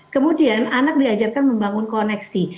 kemudian anak diajarkan membangun koneksi